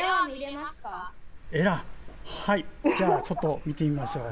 はいじゃあちょっと見てみましょう。